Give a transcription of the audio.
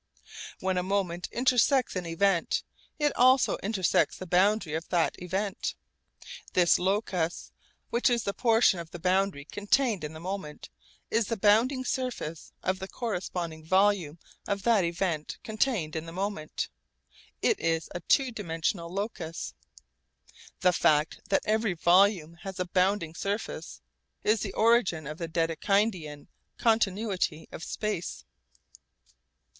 When a moment intersects an event, it also intersects the boundary of that event. This locus, which is the portion of the boundary contained in the moment, is the bounding surface of the corresponding volume of that event contained in the moment. It is a two dimensional locus. The fact that every volume has a bounding surface is the origin of the Dedekindian continuity of space.